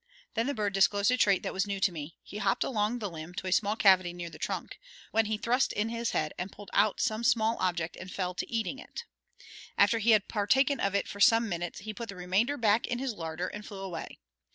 Then the bird disclosed a trait that was new to me: he hopped along the limb to a small cavity near the trunk, when he thrust in his head and pulled out some small object and fell to eating it. After he had partaken of it for some minutes he put the remainder back in his larder and flew away.